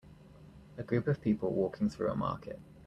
A group of people walking through a market.